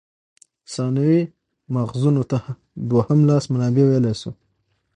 ثانوي ماخذونو ته دوهم لاس منابع ویلای سو.